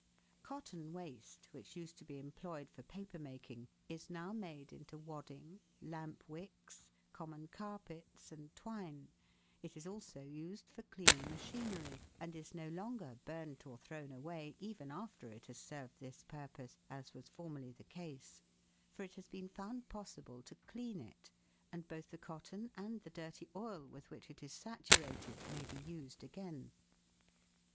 Cotton waste, which used to be employed for paper making, is now made into wadding, lamp wicks, common carpets, and twine, it is also used for cleaning machinery, and is no longer burnt or thrown away, even after it has served this purpose, as was formerly the case, for it has been found possible to clean it, and both the cotton and the dirty oil, with which it is saturated, may be used again.